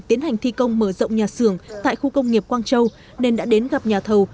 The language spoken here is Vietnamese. tiến hành thi công mở rộng nhà xưởng tại khu công nghiệp quang châu nên đã đến gặp nhà thầu